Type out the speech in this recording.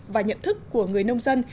và nhận thức của người nông dân